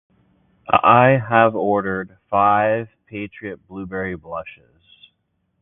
I have ordered five Patriot blueberry bushes.